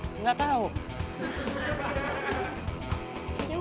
tadi larinya kemana